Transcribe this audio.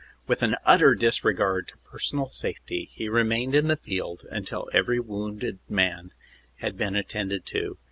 With an utter disregard to personal safety he remained in the field until every wounded man had been attended to.